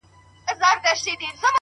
چې کوم پېریان به